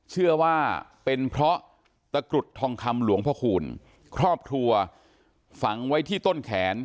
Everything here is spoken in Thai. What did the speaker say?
เชื่อว่าเป็นเพราะตะกรุดทองคำหลวงพระคูณครอบครัวฝังไว้ที่ต้นแขน